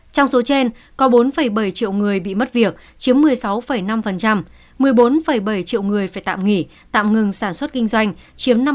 trong số trên có bốn bảy triệu người bị mất việc chiếm một mươi sáu năm một mươi bốn bảy triệu người phải tạm nghỉ tạm ngừng sản xuất kinh doanh chiếm năm mươi